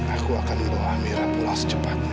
aku akan membawa amira pulang secepatnya